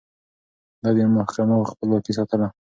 ده د محکمو خپلواکي ساتله.